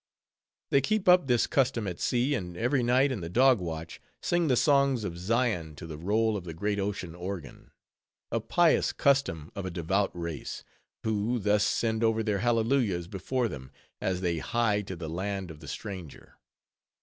They keep up this custom at sea; and every night, in the dog watch, sing the songs of Zion to the roll of the great ocean organ: a pious custom of a devout race, who thus send over their hallelujahs before them, as they hie to the land of the stranger.